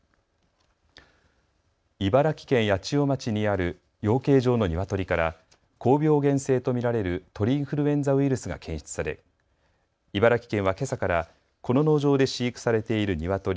茨城県八千代町にある養鶏場のニワトリから高病原性と見られる鳥インフルエンザウイルスが検出され茨城県はけさからこの農場で飼育されているニワトリ